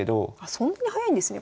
そんなに早いんですね